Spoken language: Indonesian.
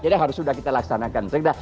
jadi harus sudah kita laksanakan segera